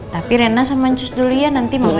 tapi rena sama ncus dulu ya nanti mama